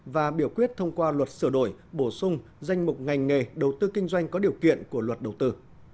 và biểu quyết thông qua luật sửa đổi bổ sung danh mục ngành nghề đầu tư kinh doanh có điều kiện của luật đầu tư